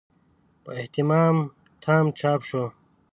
په اهتمام تام چاپ شو.